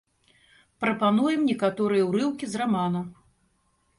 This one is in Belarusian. Прапануем некаторыя ўрыўкі з рамана.